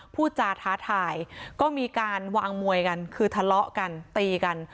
พูดจาท้าทายก็มีการวางมวยกันคือทะเลาะกันตีกัน